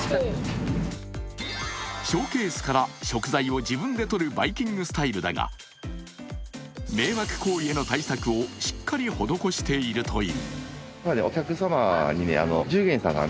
ショーケースから食材を自分で取るバイキングスタイルだが迷惑行為への対策をしっかり施しているという。